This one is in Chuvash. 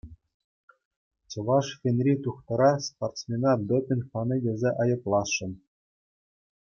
Чӑваш фенри тухтӑра спортсмена допинг панӑ тесе айӑпласшӑн.